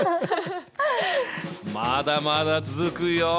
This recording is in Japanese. まだまだ続くよ！